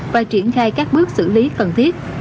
và triển khai các bước xử lý cần thiết